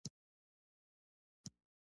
هغه خپلې کوټۍ ته رنګ ورکوي